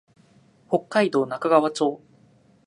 北海道中川町